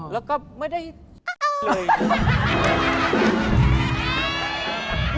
แล้วก็ไม่ได้เลย